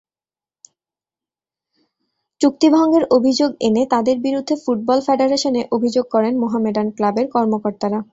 চুক্তিভঙ্গের অভিযোগ এনে তাঁদের বিরুদ্ধে ফুটবল ফেডারেশনে অভিযোগ করেন মোহামেডান ক্লাবের কর্মকর্তারা।